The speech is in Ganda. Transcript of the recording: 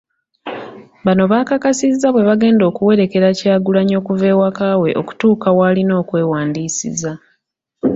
Bano baakakasizza bwe bagenda okuwerekera Kyagulanyi okuva ewaka we okutuuka w'alina okwewandiisiza